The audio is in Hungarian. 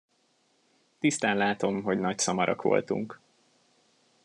Tisztán látom, hogy nagy szamarak voltunk.